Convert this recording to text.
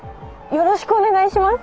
よろしくお願いします。